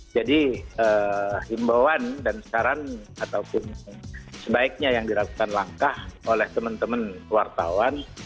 jadi himbauan dan saran ataupun sebaiknya yang dilakukan langkah oleh teman teman wartawan